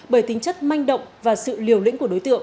bởi tính chất manh động và sự liều lĩnh